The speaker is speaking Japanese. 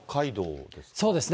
そうですね。